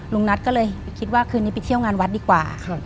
ลุงนัทก็เลยไปคิดว่าคืนนี้ไปเที่ยวงานวัดดีกว่า